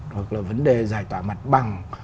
hoặc là vấn đề giải tỏa mặt bạc